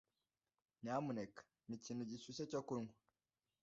Nyamuneka mpa ikintu gishyushye cyo kunywa.